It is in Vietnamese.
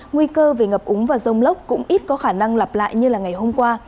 nguy cơ về ngập úng và rông lốc cũng ít có khả năng lặp lại như là ngày hôm qua